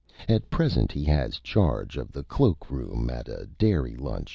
At Present he has charge of the Cloak Room at a Dairy Lunch.